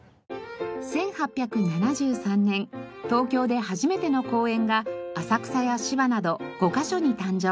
１８７３年東京で初めての公園が浅草や芝など５カ所に誕生。